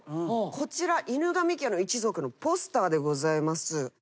こちら『犬神家の一族』のポスターでございます。